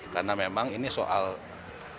karena memang ini soal bukan masalah